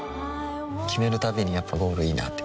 決めるたびにやっぱゴールいいなってふん